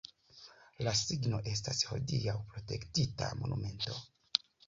La signo estas hodiaŭ protektita monumento.